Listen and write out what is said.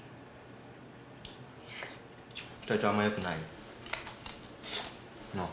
体調あんまよくないん？なあ？